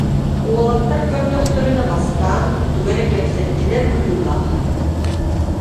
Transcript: Уолаттар көрдөхтөрүнэ, бастаан тугу эрэ кэпсэттилэр быһыылаах